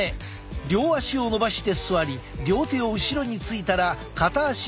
両足を伸ばして座り両手を後ろについたら片足を折り曲げる。